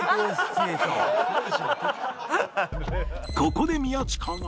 ここで宮近が